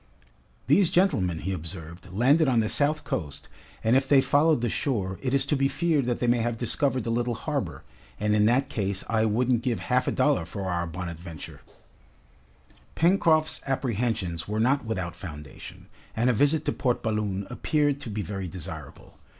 "These gentlemen," he observed, "landed on the south coast, and if they followed the shore, it is to be feared that they may have discovered the little harbor, and in that case, I wouldn't give half a dollar for our 'Bonadventure.'" Pencroft's apprehensions were not without foundation, and a visit to Port Balloon appeared to be very desirable.